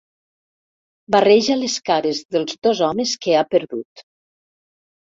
Barreja les cares dels dos homes que ha perdut.